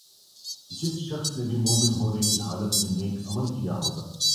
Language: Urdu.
میں چلتن پہاڑ کے دامن میں رہائش پزیر ھوں یہ خبر دیکھ کر بہت خوشی ہوئ